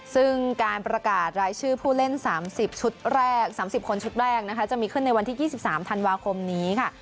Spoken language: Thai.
ซึ่งการประกาศรายชื่อผู้เล่น๓๐ชุดแรก๓๐คนชุดแรกนะคะจะมีขึ้นในวันที่๒๓ธันวาคมนี้ค่ะ